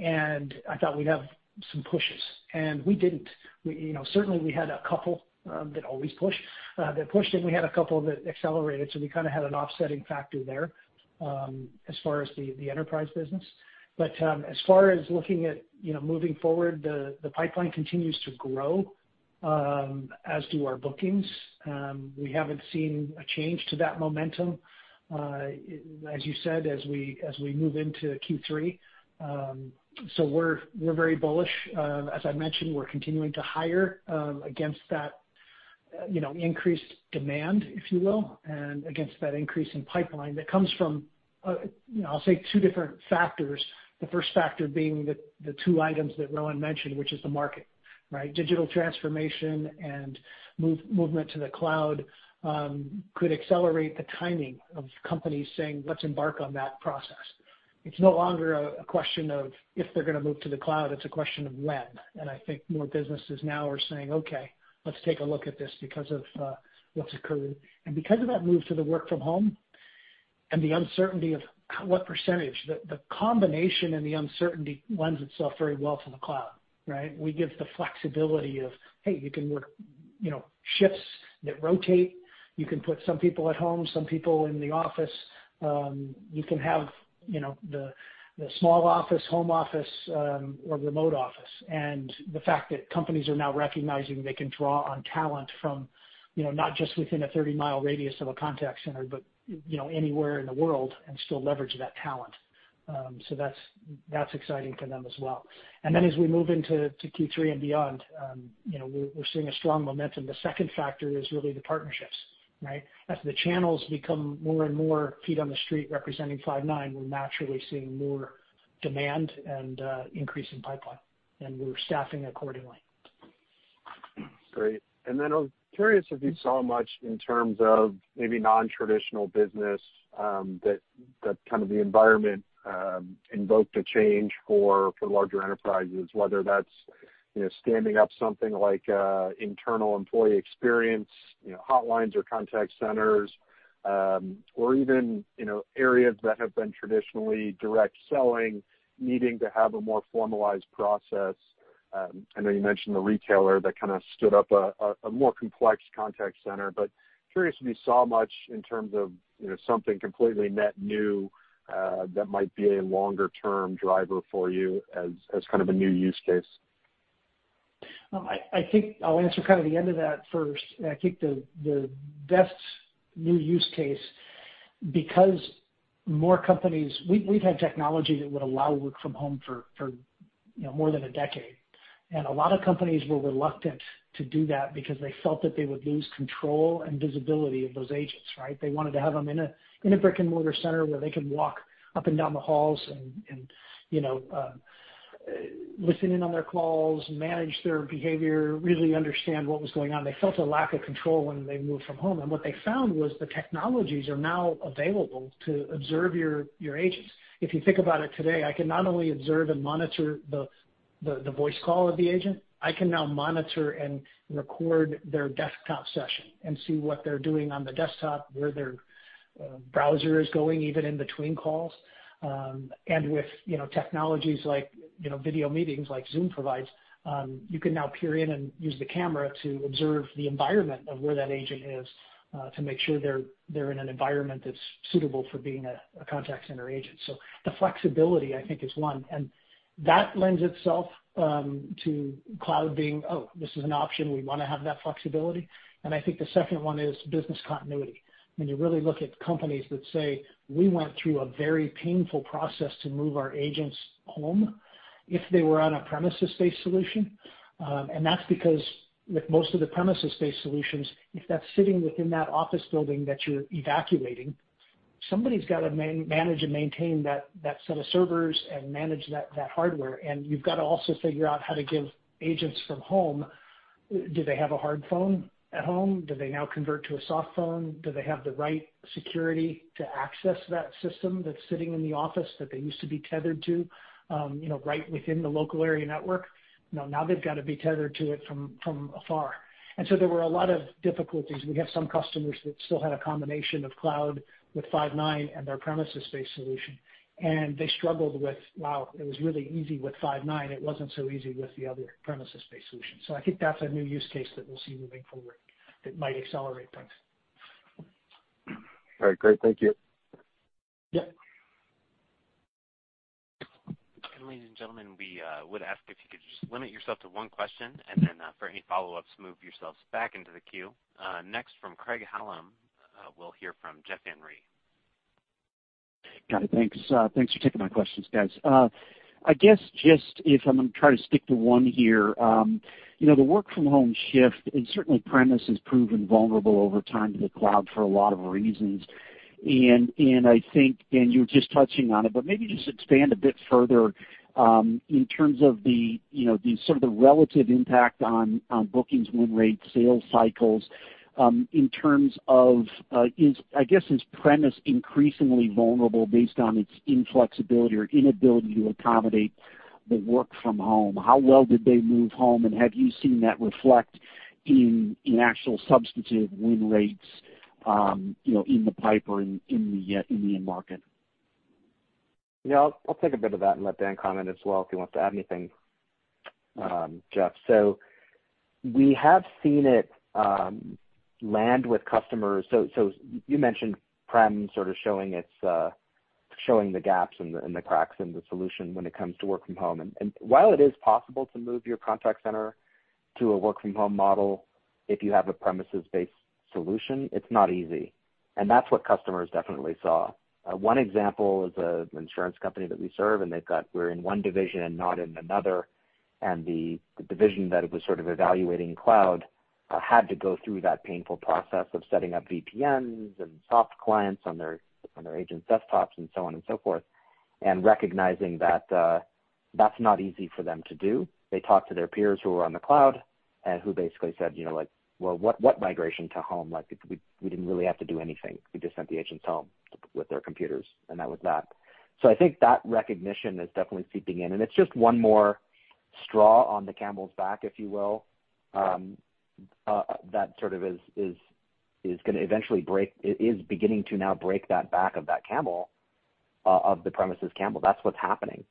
I thought we'd have some pushes, and we didn't. Certainly, we had a couple that always push, that pushed, and we had a couple that accelerated. We kind of had an offsetting factor there as far as the enterprise business. As far as looking at moving forward, the pipeline continues to grow, as do our bookings. We haven't seen a change to that momentum, as you said, as we move into Q3. We're very bullish. As I mentioned, we're continuing to hire against that increased demand, if you will, and against that increase in pipeline that comes from, I'll say two different factors. The first factor being the two items that Rowan mentioned, which is the market, right? Digital transformation and movement to the cloud could accelerate the timing of companies saying, "Let's embark on that process." It's no longer a question of if they're going to move to the cloud, it's a question of when. I think more businesses now are saying, "Okay, let's take a look at this because of what's occurred." Because of that move to the work from home, and the uncertainty of what percentage, the combination and the uncertainty lends itself very well to the cloud, right? We give the flexibility of, hey, you can work shifts that rotate. You can put some people at home, some people in the office. You can have the small office, home office, or remote office. The fact that companies are now recognizing they can draw on talent from not just within a 30-mile radius of a contact center, but anywhere in the world and still leverage that talent. That's exciting to them as well. As we move into Q3 and beyond, we're seeing a strong momentum. The second factor is really the partnerships, right? As the channels become more and more feet on the street representing Five9, we're naturally seeing more demand and increase in pipeline. We're staffing accordingly. Great. I was curious if you saw much in terms of maybe non-traditional business that kind of the environment invoked a change for larger enterprises, whether that's standing up something like internal employee experience hotlines or contact centers, or even areas that have been traditionally direct selling needing to have a more formalized process. I know you mentioned the retailer that kind of stood up a more complex contact center, but curious if you saw much in terms of something completely net new that might be a longer-term driver for you as kind of a new use case? I think I'll answer the end of that first. I think the best new use case, because more companies We've had technology that would allow work from home for more than a decade, and a lot of companies were reluctant to do that because they felt that they would lose control and visibility of those agents, right? They wanted to have them in a brick-and-mortar center where they could walk up and down the halls and listen in on their calls, manage their behavior, really understand what was going on. They felt a lack of control when they moved from home. What they found was the technologies are now available to observe your agents. If you think about it today, I can not only observe and monitor the voice call of the agent, I can now monitor and record their desktop session and see what they're doing on the desktop, where their browser is going, even in between calls. With technologies like video meetings like Zoom provides, you can now peer in and use the camera to observe the environment of where that agent is to make sure they're in an environment that's suitable for being a contact center agent. The flexibility, I think, is one, and that lends itself to cloud being, oh, this is an option, we want to have that flexibility. I think the second one is business continuity. When you really look at companies that say, "We went through a very painful process to move our agents home," if they were on a premises-based solution, and that's because with most of the premises-based solutions, if that's sitting within that office building that you're evacuating, somebody's got to manage and maintain that set of servers and manage that hardware. You've got to also figure out how to give agents from home, do they have a hard phone at home? Do they now convert to a soft phone? Do they have the right security to access that system that's sitting in the office that they used to be tethered to right within the local area network? Now they've got to be tethered to it from afar. There were a lot of difficulties. We have some customers that still had a combination of cloud with Five9 and their premises-based solution, and they struggled with, wow, it was really easy with Five9. It wasn't so easy with the other premises-based solution. I think that's a new use case that we'll see moving forward that might accelerate things. All right, great. Thank you. Yeah. Ladies and gentlemen, we would ask if you could just limit yourself to one question, and then for any follow-ups, move yourselves back into the queue. From Craig-Hallum, we'll hear from Jeff Van Rhee. Got it. Thanks. Thanks for taking my questions, guys. I guess just if I'm going to try to stick to one here, the work from home shift, and certainly premise has proven vulnerable over time to the cloud for a lot of reasons. I think, and you were just touching on it, but maybe just expand a bit further in terms of the sort of the relative impact on bookings, win rates, sales cycles in terms of, I guess, is premise increasingly vulnerable based on its inflexibility or inability to accommodate the work from home? How well did they move home, and have you seen that reflect in actual substantive win rates in the pipe or in the end market? Yeah, I'll take a bit of that and let Dan comment as well if he wants to add anything, Jeff. We have seen it land with customers. You mentioned prem sort of showing the gaps and the cracks in the solution when it comes to work from home. While it is possible to move your contact center to a work from home model, if you have a premises-based solution, it's not easy. That's what customers definitely saw. One example is an insurance company that we serve, and they've got, we're in one division and not in another, and the division that it was sort of evaluating cloud had to go through that painful process of setting up VPNs and soft clients on their agents' desktops and so on and so forth, and recognizing that that's not easy for them to do. They talked to their peers who were on the cloud and who basically said, "Well, what migration to home? We didn't really have to do anything. We just sent the agents home with their computers, and that was that." I think that recognition is definitely seeping in, and it's just one more straw on the camel's back, if you will, that sort of is beginning to now break that back of that camel, of the premises camel. That's what's happening.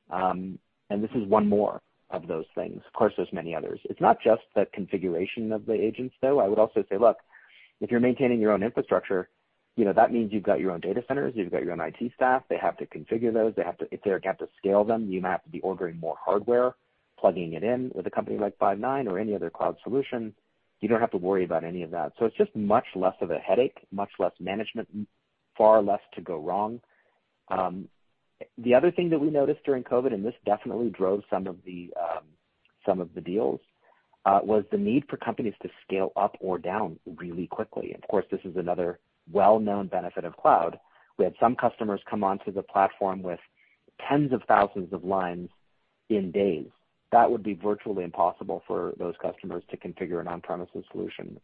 This is one more of those things. Of course, there's many others. It's not just the configuration of the agents, though. I would also say, look, if you're maintaining your own infrastructure, that means you've got your own data centers, you've got your own IT staff. They have to configure those. They have to scale them. You may have to be ordering more hardware, plugging it in. With a company like Five9 or any other cloud solution, you don't have to worry about any of that. It's just much less of a headache, much less management, far less to go wrong. The other thing that we noticed during COVID-19, this definitely drove some of the deals, was the need for companies to scale up or down really quickly. Of course, this is another well-known benefit of cloud. We had some customers come onto the platform with tens of thousands of lines in days. That would be virtually impossible for those customers to configure an on-premises solution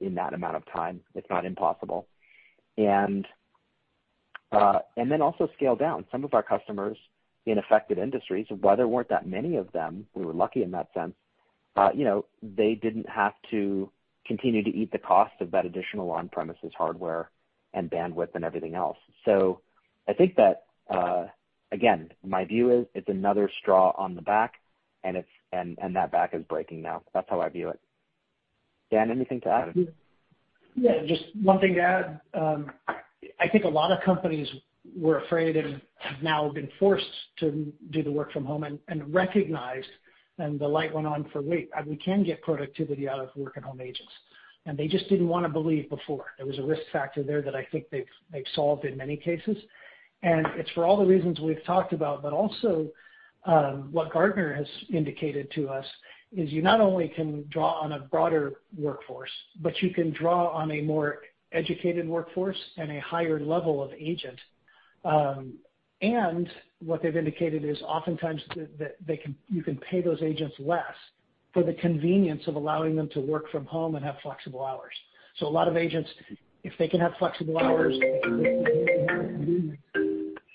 in that amount of time. It's not impossible. Also scale down. Some of our customers in affected industries, while there weren't that many of them, we were lucky in that sense. They didn't have to continue to eat the cost of that additional on-premises hardware and bandwidth and everything else. I think that, again, my view is it's another straw on the back and that back is breaking now. That's how I view it. Dan, anything to add? Just one thing to add. I think a lot of companies were afraid and have now been forced to do the work from home and recognized, and the light went on for, we can get productivity out of work-at-home agents, and they just didn't want to believe before. There was a risk factor there that I think they've solved in many cases, and it's for all the reasons we've talked about, but also what Gartner has indicated to us is you not only can draw on a broader workforce, but you can draw on a more educated workforce and a higher level of agent. What they've indicated is oftentimes that you can pay those agents less for the convenience of allowing them to work from home and have flexible hours. A lot of agents, if they can have flexible hours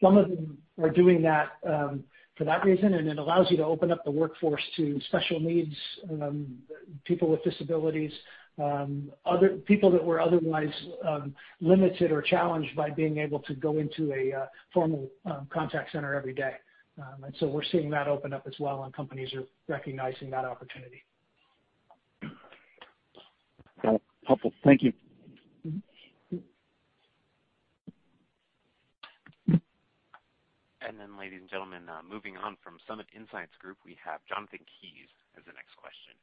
some of them are doing that for that reason, and it allows you to open up the workforce to special needs, people with disabilities, people that were otherwise limited or challenged by being able to go into a formal contact center every day. We're seeing that open up as well, and companies are recognizing that opportunity. Got it. Helpful. Thank you. Ladies and gentlemen, moving on from Summit Insights Group, we have Jonathan Kees as the next question.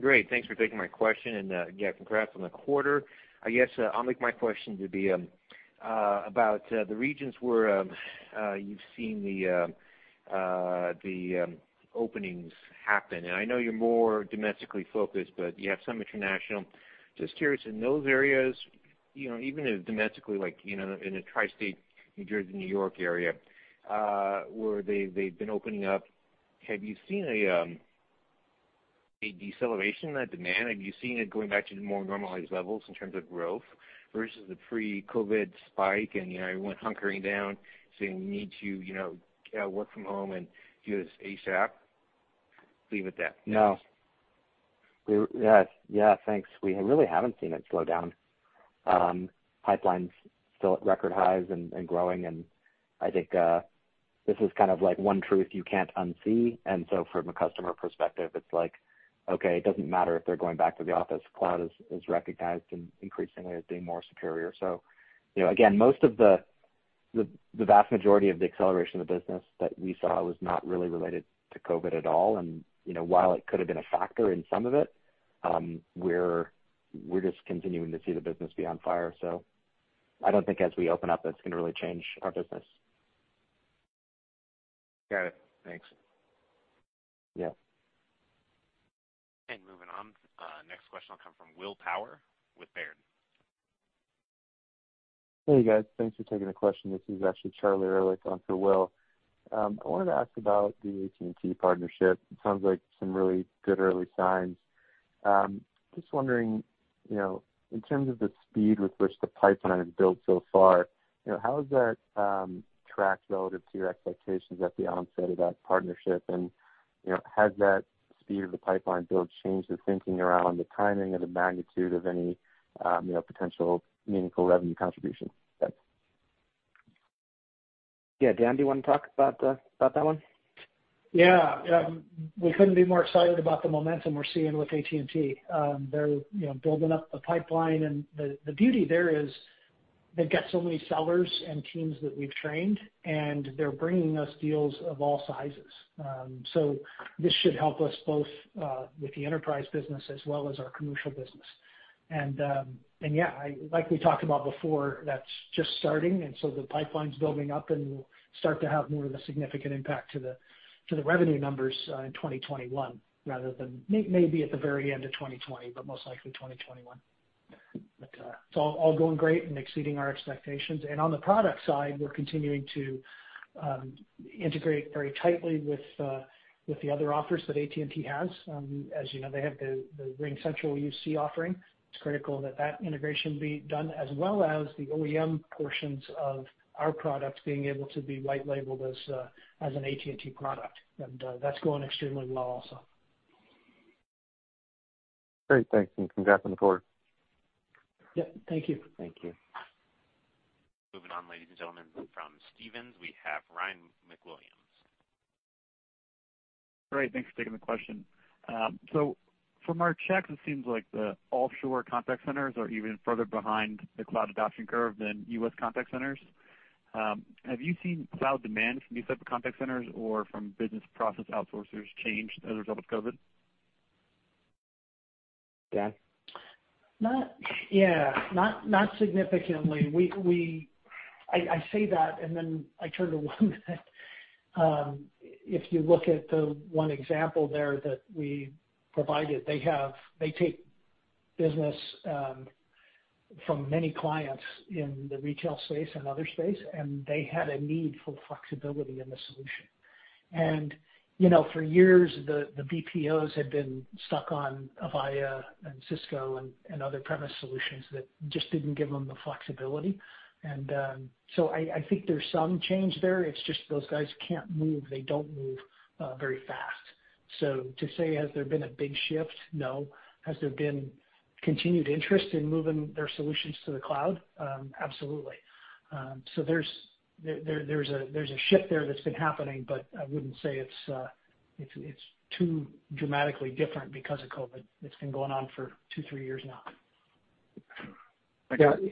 Great. Thanks for taking my question. Yeah, congrats on the quarter. I guess I'll make my question to be about the regions where you've seen the openings happen. I know you're more domestically focused, but you have some international. Just curious, in those areas, even if domestically, like in a tri-state New Jersey, New York area, where they've been opening up, have you seen a deceleration in that demand? Have you seen it going back to the more normalized levels in terms of growth versus the pre-COVID-19 spike and everyone hunkering down saying, "We need to work from home and do this ASAP?" Leave it at that. No. Yeah. Thanks. We really haven't seen it slow down. Pipeline's still at record highs and growing. I think this is like one truth you can't unsee. From a customer perspective, it's like, okay, it doesn't matter if they're going back to the office. Cloud is recognized increasingly as being more superior. Again, most of the vast majority of the acceleration of the business that we saw was not really related to COVID at all. While it could have been a factor in some of it, we're just continuing to see the business be on fire. I don't think as we open up, that's going to really change our business. Got it. Thanks. Yeah. Moving on. Next question will come from William Power with Baird. Hey, guys. Thanks for taking the question. This is actually Charles Erlikh on for Will. I wanted to ask about the AT&T partnership. It sounds like some really good early signs. Just wondering, in terms of the speed with which the pipeline has built so far, how has that tracked relative to your expectations at the onset of that partnership? Has that speed of the pipeline build changed the thinking around the timing of the magnitude of any potential meaningful revenue contribution? Thanks. Yeah. Dan, do you want to talk about that one? Yeah. We couldn't be more excited about the momentum we're seeing with AT&T. They're building up the pipeline, and the beauty there is they've got so many sellers and teams that we've trained, and they're bringing us deals of all sizes. This should help us both with the enterprise business as well as our commercial business. Yeah, like we talked about before, that's just starting, the pipeline's building up, and we'll start to have more of a significant impact to the revenue numbers in 2021 rather than maybe at the very end of 2020, but most likely 2021. It's all going great and exceeding our expectations. On the product side, we're continuing to integrate very tightly with the other offers that AT&T has. As you know, they have the RingCentral UC offering. It's critical that integration be done, as well as the OEM portions of our product being able to be white labeled as an AT&T product. That's going extremely well also. Great. Thanks. Congrats on the quarter. Yeah. Thank you. Thank you. Moving on, ladies and gentlemen, from Stephens, we have Ryan MacWilliams. Great. Thanks for taking the question. From our checks, it seems like the offshore contact centers are even further behind the cloud adoption curve than U.S. contact centers. Have you seen cloud demand from these type of contact centers or from business process outsourcers change as a result of COVID? Dan? Yeah. Not significantly. I say that and then I turn to one that if you look at the one example there that we provided, they take business from many clients in the retail space and other space, they had a need for flexibility in the solution. For years, the BPOs had been stuck on Avaya and Cisco and other premise solutions that just didn't give them the flexibility. I think there's some change there. It's just those guys can't move. They don't move very fast. To say, has there been a big shift? No. Has there been continued interest in moving their solutions to the cloud? Absolutely. There's a shift there that's been happening, but I wouldn't say it's too dramatically different because of COVID. It's been going on for two, three years now.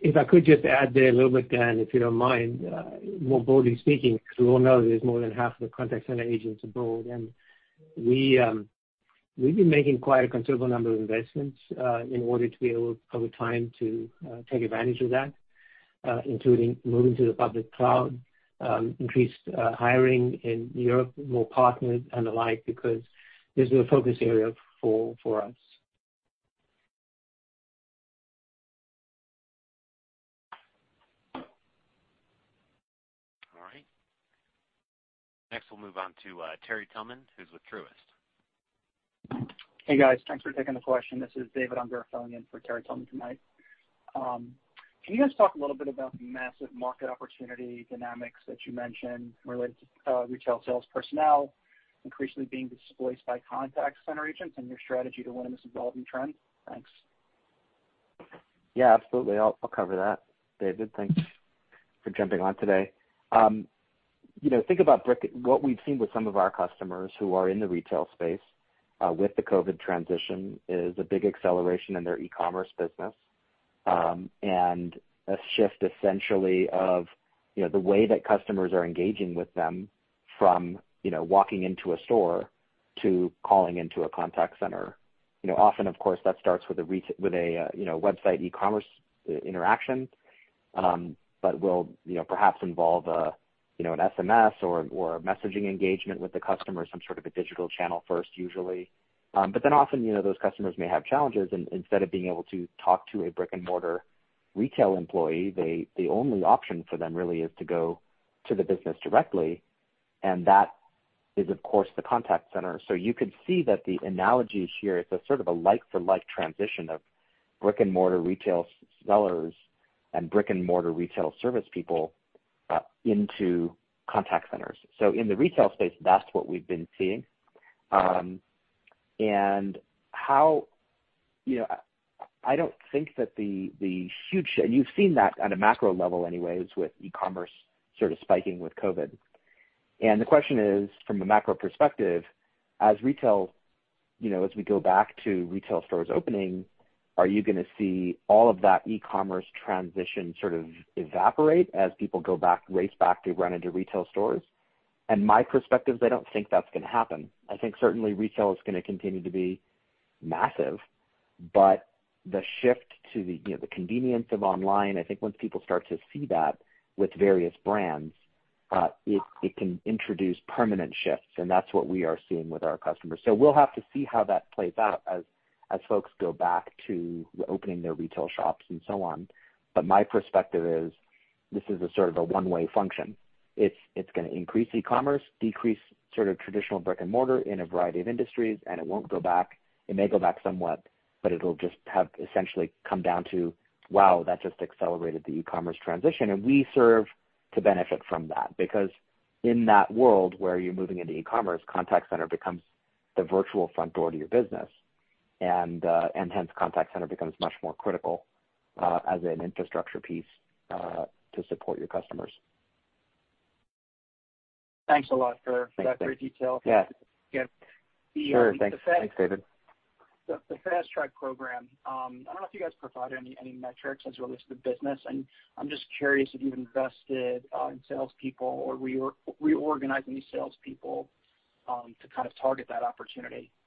If I could just add there a little bit, Dan, if you don't mind. More broadly speaking, because we all know there's more than half of the contact center agents are BPO, and we've been making quite a considerable number of investments in order to be able, over time, to take advantage of that, including moving to the public cloud, increased hiring in Europe, more partners and the like, because this is a focus area for us. All right. Next, we'll move on to Terry Tillman, who's with Truist. Hey, guys. Thanks for taking the question. This is David Unger filling in for Terry Tillman tonight. Can you guys talk a little bit about the massive market opportunity dynamics that you mentioned related to retail sales personnel increasingly being displaced by contact center agents and your strategy to win this evolving trend? Thanks. Yeah, absolutely. I'll cover that, David. Thanks for jumping on today. Think about what we've seen with some of our customers who are in the retail space with the COVID-19 transition is a big acceleration in their e-commerce business, and a shift essentially of the way that customers are engaging with them from walking into a store to calling into a contact center. Often, of course, that starts with a website e-commerce interaction. Will perhaps involve an SMS or a messaging engagement with the customer, some sort of a digital channel first, usually. Often, those customers may have challenges, and instead of being able to talk to a brick-and-mortar retail employee, the only option for them really is to go to the business directly, and that is, of course, the contact center. You could see that the analogy here, it's a sort of a like-for-like transition of brick-and-mortar retail sellers and brick-and-mortar retail service people into contact centers. In the retail space, that's what we've been seeing. I don't think that You've seen that on a macro level anyways with e-commerce sort of spiking with COVID-19. The question is, from a macro perspective, as we go back to retail stores opening, are you going to see all of that e-commerce transition sort of evaporate as people race back to run into retail stores? My perspective is I don't think that's going to happen. I think certainly retail is going to continue to be massive. The shift to the convenience of online, I think once people start to see that with various brands, it can introduce permanent shifts, and that's what we are seeing with our customers. We'll have to see how that plays out as folks go back to opening their retail shops and so on. My perspective is this is a sort of a one-way function. It's going to increase e-commerce, decrease sort of traditional brick-and-mortar in a variety of industries, and it won't go back. It may go back somewhat, but it'll just have essentially come down to, wow, that just accelerated the e-commerce transition. We serve to benefit from that, because in that world where you're moving into e-commerce, contact center becomes the virtual front door to your business, and hence contact center becomes much more critical as an infrastructure piece to support your customers. Thanks a lot for that great detail. Yeah. Sure. Thanks, David. The FastTrack Program, I don't know if you guys provided any metrics as it relates to business, and I'm just curious if you've invested in salespeople or reorganized any salespeople to kind of target that opportunity? No,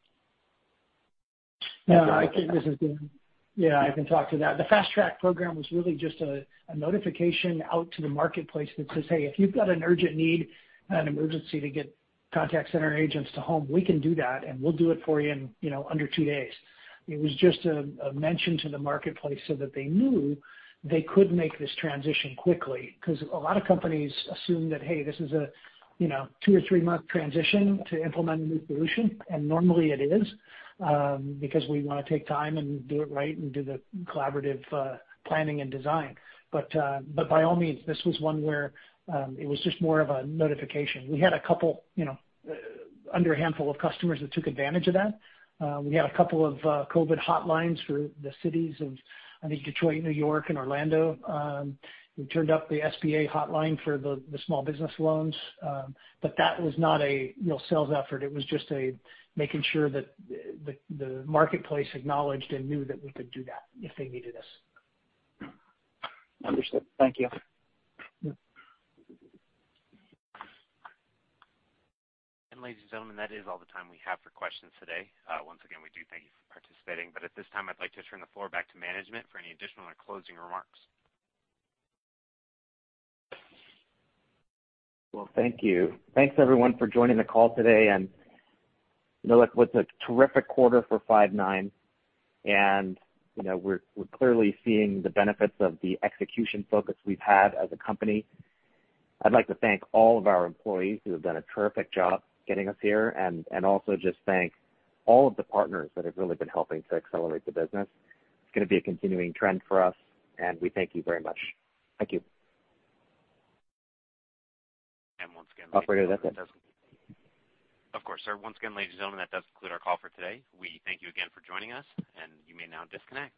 I think this is Dan. Yeah, I can talk to that. The FastTrack Program was really just a notification out to the marketplace that says, "Hey, if you've got an urgent need and an emergency to get contact center agents to home, we can do that, and we'll do it for you in under two days." It was just a mention to the marketplace so that they knew they could make this transition quickly. A lot of companies assume that, hey, this is a two or three-month transition to implement a new solution. Normally it is, because we want to take time and do it right and do the collaborative planning and design. By all means, this was one where it was just more of a notification. We had a couple, under a handful of customers that took advantage of that. We had a couple of COVID hotlines for the cities of, I think, Detroit, New York and Orlando. We turned up the SBA hotline for the small business loans. That was not a real sales effort. It was just making sure that the marketplace acknowledged and knew that we could do that if they needed us. Understood. Thank you. Yeah. Ladies and gentlemen, that is all the time we have for questions today. Once again, we do thank you for participating. At this time, I'd like to turn the floor back to management for any additional or closing remarks. Well, thank you. Thanks, everyone, for joining the call today. It was a terrific quarter for Five9. We're clearly seeing the benefits of the execution focus we've had as a company. I'd like to thank all of our employees who have done a terrific job getting us here, and also just thank all of the partners that have really been helping to accelerate the business. It's going to be a continuing trend for us, and we thank you very much. Thank you. And once again. Operator, that's it. Of course, sir. Once again, ladies and gentlemen, that does conclude our call for today. We thank you again for joining us. You may now disconnect.